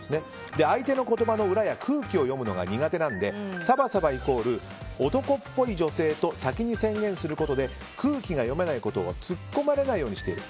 相手の言葉の裏や空気を読むのが苦手なのでサバサバイコール男っぽい女性と先に宣言することで空気が読めないことをツッコまれないようにしている。